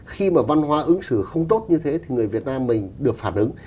khi mà văn hóa ứng xử không tốt như thế thì người việt nam mình được phản ứng